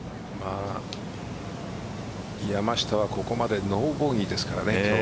山下は、ここまでノーボギーですからね。